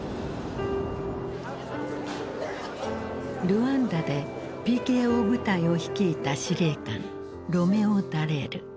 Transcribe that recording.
ルワンダでＰＫＯ部隊を率いた司令官ロメオ・ダレール。